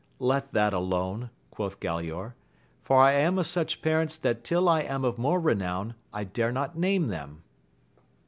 Let that alone, quoth Galaor, for I am of such parents that till I am of more renown I dare not name them.